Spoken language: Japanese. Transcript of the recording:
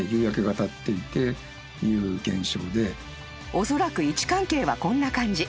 ［おそらく位置関係はこんな感じ］